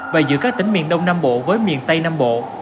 và giữa các tỉnh miền đông nam bộ với miền tây nam bộ